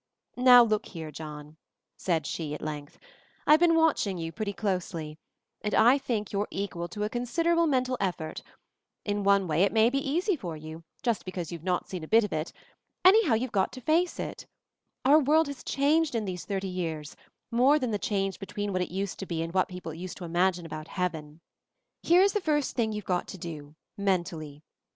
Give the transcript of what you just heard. "Now, look here, John," said she at length, "I've been watching you pretty closely and I think you're equal to a con siderable mental effort — In one way, it may be easier for you, just because you've not seen a bit of it— anyhow, you've got to face itr "Our world has changed in these thirty years, more than the change between what it used to be and what people used to im agine about Heaven. Here is the first thing you've got to do — mentally.